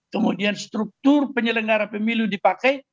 kemudian struktur penyelenggara pemilu dipakai